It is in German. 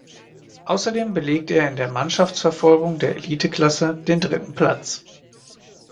Außerdem belegte er in der Mannschaftsverfolgung der Eliteklasse den dritten Platz.